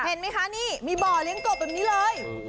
เห็นไหมคะนี่มีบ่อเลี้ยงกบแบบนี้เลย